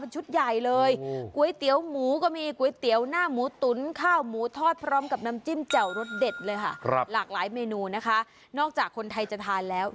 แชวรสเด็ดเลยค่ะครับหลากหลายเมนูนะคะนอกจากคนไทยจะทานแล้ว